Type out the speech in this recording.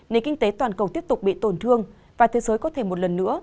nền kinh tế toàn cầu tiếp tục bị tổn thương và thế giới có thể một lần nữa